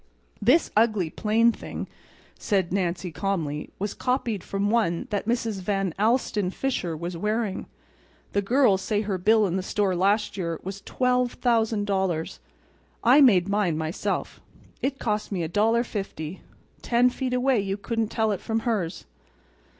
"This ugly, plain thing," said Nancy, calmly, "was copied from one that Mrs. Van Alstyne Fisher was wearing. The girls say her bill in the store last year was $12,000. I made mine, myself. It cost me $1.50. Ten feet away you couldn't tell it from hers."